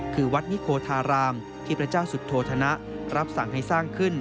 คือวัดนิโคธารามที่พระเจ้าสุทธโธธนะรับสั่งให้สร้างขึ้น